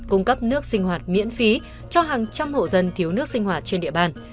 cung cấp nước sinh hoạt miễn phí cho hàng trăm hộ dân thiếu nước sinh hoạt trên địa bàn